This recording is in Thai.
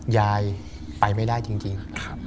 ยายไปไม่ได้จริง